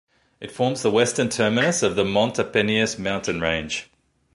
It forms the western terminus of the Montes Apenninus mountain range.